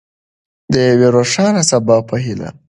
د یوې روښانه سبا په هیله.